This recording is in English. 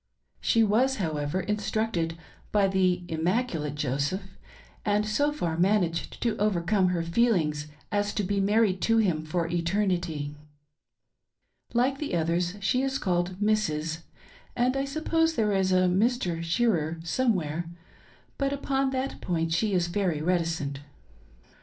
She was, however, instructed by the immaculate Joseph, and so far managed to overcome her feelings as to be married to him for eternity^ Like the others she is called " Mrs.," and I suppose there is a Mr. Shearer somewhere, but upon that point she is very reticent.